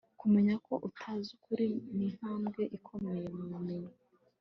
kumenya ko utazi ukuri ni intambwe ikomeye mu bumenyi